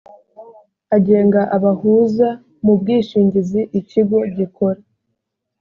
agenga abahuza mu bwishingizi ikigo gikora